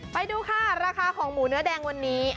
ไปดูค่ะราคาของหมูเนื้อแดงวันนี้